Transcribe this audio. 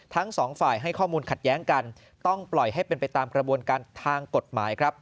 ทั้งสองฝ่ายให้ข้อมูลขัดแย้งกันต้องปล่อยให้เป็นไปตามกระบวนการทางกฎหมายครับ